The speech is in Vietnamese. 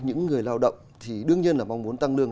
những người lao động thì đương nhiên là mong muốn tăng lương